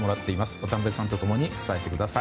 渡辺さんと共に伝えてください。